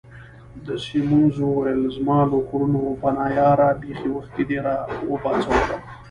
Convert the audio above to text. سیمونز وویل: زما له غرونو پناه یاره، بیخي وختي دي را وپاڅولم.